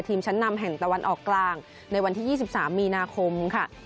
ชั้นนำแห่งตะวันออกกลางในวันที่๒๓มีนาคมค่ะ